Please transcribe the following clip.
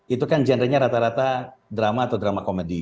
itu kan genrenya rata rata drama atau drama komedi